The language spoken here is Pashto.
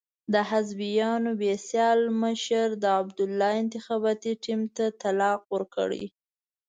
د حزبیانو بې سیاله مشر د عبدالله انتخاباتي ټیم ته طلاق ورکړی.